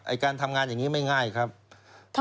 ไอ้การทำงานอย่างนี้ไม่ง่ายครับทำไมครับ